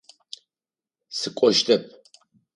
Сыкӏощтэп.